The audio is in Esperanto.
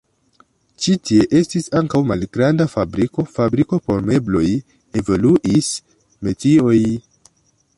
Ĉi tie estis ankaŭ malgranda fabriko, fabriko por mebloj, evoluis metioj.